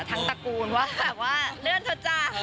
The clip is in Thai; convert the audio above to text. ทั้งตระกูลว่าเรื่องเท่าจ้า